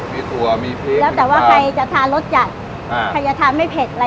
มีตัวมีพริกแล้วแต่ว่าใครจะทานรสจัดอ่าใครจะทานไม่เผ็ดอะไร